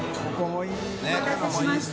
お待たせしました。